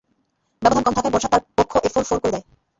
ব্যবধান কম থাকায় বর্শা তার বক্ষ এফোঁড়-ফোড় করে দেয়।